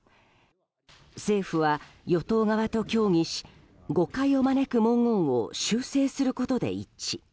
政府は与党側と協議し誤解を招く文言を修正することで一致。